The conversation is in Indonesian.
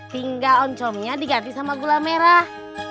tinggal oncomnya diganti sama gula merah